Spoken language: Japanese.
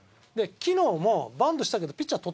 昨日もバントしたけどピッチャー捕ったじゃない。